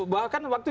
bahkan waktu itu